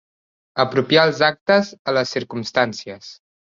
Apropiar els actes a les circumstàncies.